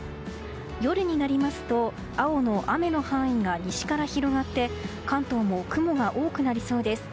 夜になりますと青の雨の範囲が西から広がって関東も雲が多くなりそうです。